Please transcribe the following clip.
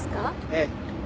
ええ。